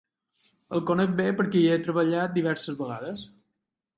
El conec bé perquè hi he treballat diverses vegades.